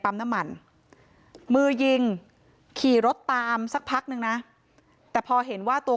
น้ำมันมือยิงขี่รถตามสักพักนึงนะแต่พอเห็นว่าตัว